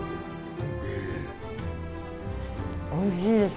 おいしいです。